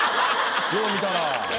よう見たら。